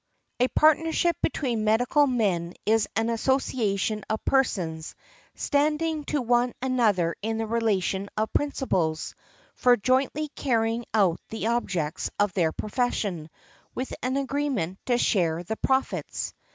A partnership between medical men is an association of persons, standing to one another in the relation of principals, for jointly carrying out the objects of their profession, with an agreement to share the profits.